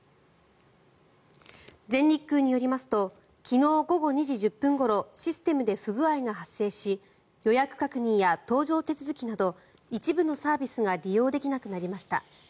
全日空によりますと昨日午後２時１０分ごろシステムで不具合が発生し予約確認や搭乗手続きなど一部のサービスが利用できなくなりました。